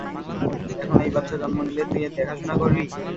এখন এই বাচ্চা জন্ম নিলে তুই এর দেখাশুনা করবি।